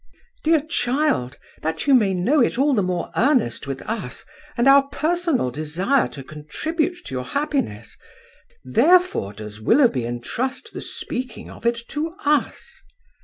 "Dear child, that you may know it all the more earnest with us, and our personal desire to contribute to your happiness: therefore does Willoughby entrust the speaking of it to us."